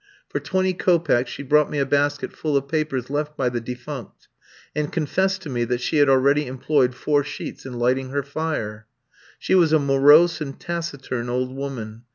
For twenty kopecks she brought me a basket full of papers left by the defunct, and confessed to me that she had already employed four sheets in lighting her fire. She was a morose and taciturn old woman.